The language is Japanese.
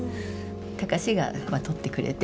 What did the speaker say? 孝が撮ってくれて。